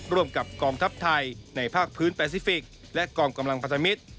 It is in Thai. ร่วมกับกองทัพไทยในภาคพื้นแปซิฟิกและกองกำลังพันธมิตร